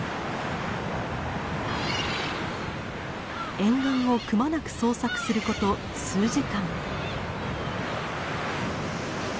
沿岸をくまなく捜索すること数時間。